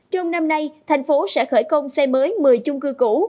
trong năm nay thành phố sẽ khởi công xây mới một mươi chung cư cũ